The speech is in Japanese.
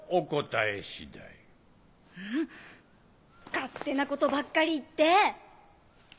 勝手なことばっかり言って！